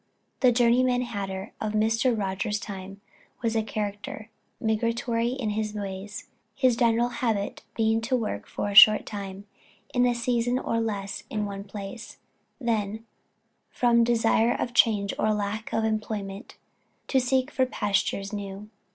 The journeyman hatter of Mr. Rogers' time was a character, migratory in his ways, his general habit being to work for a short time a season or less in one place then, from desire of change or lack of employment, to seek for pastures new.